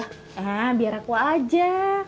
eh biar aku aja